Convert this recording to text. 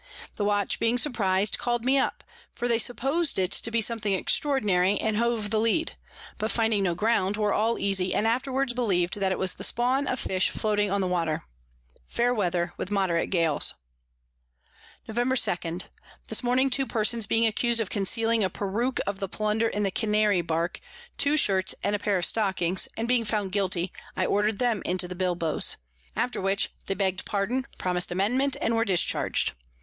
The Watch being surpriz'd, call'd me up; for they suppos'd it to be something extraordinary, and hove the Lead: but finding no Ground, were all easy, and afterwards believ'd that it was the Spawn of Fish floating on the Water. Fair Weather, with moderate Gales. Novemb. 2. This Morning two Persons being accus'd of concealing a Peruke of the Plunder in the Canary Bark, two Shirts, and a Pair of Stockings; and being found guilty, I order'd them into the Bilboes: After which they begg'd pardon, promis'd Amendment, and were discharg'd.